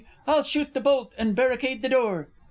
I'll shoot the bolt and barricade the door.